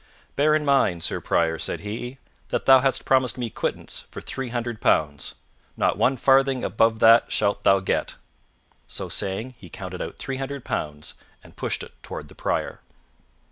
"Bear in mind, Sir Prior," said he, "that thou hast promised me quittance for three hundred pounds. Not one farthing above that shalt thou get." So saying, he counted out three hundred pounds and pushed it toward the Prior.